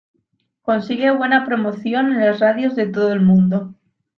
Consigue buena promoción en las radios de todo el mundo.